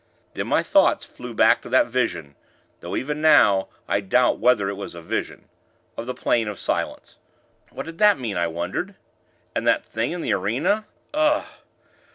Then my thoughts flew back to that vision (though, even now, I doubt whether it was a vision) of the Plain of Silence. What did that mean? I wondered And that Thing in the arena? Ugh!